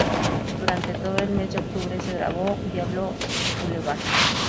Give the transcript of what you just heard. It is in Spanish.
Durante todo el mes de octubre se grabó "Diablo Blvd.